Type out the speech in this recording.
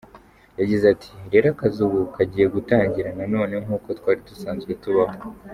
Yagize ati “Rero akazi ubu kagiye gutangira nanone nk’uko twari dusanzwe tubaho.